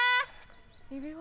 指輪？